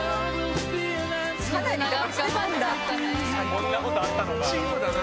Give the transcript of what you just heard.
こんなことあったのか。